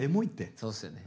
そうっすよね。